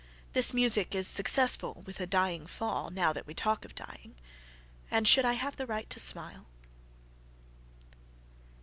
This music is successful with a "dying fall"Now that we talk of dying—And should I have the right to smile?